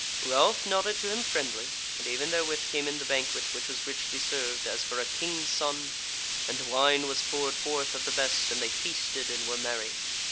Ralph nodded to him friendly, and even therewith came in the banquet, which was richly served, as for a King's son, and wine was poured forth of the best, and they feasted and were merry.